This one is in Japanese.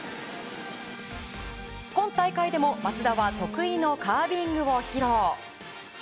今大会でも松田は得意のカービングを披露。